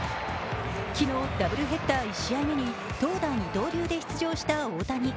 昨日、ダブルヘッダー１試合目に投打二刀流で出場した大谷。